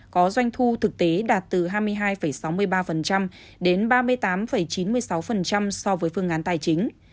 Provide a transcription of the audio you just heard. có doanh thu thực tế đạt từ hai mươi hai sáu mươi ba đến ba mươi tám chín mươi sáu so với phương án tài chính